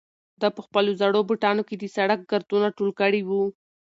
ده په خپلو زړو بوټانو کې د سړک ګردونه ټول کړي وو.